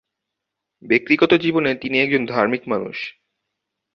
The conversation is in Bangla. ব্যক্তিগত জীবনে তিনি একজন ধার্মিক মানুষ।